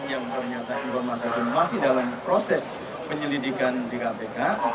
yang ternyata informasi itu masih dalam proses penyelidikan di kpk